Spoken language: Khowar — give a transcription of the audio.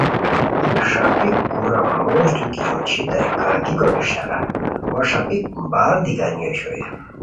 ݰاپیک کورا موژتو کی اوچھیتائے کا گیکو اشارہ) وا ݰاپیک بار دی گانی اوشوئے